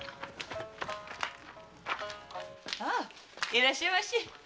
いらっしゃいまし。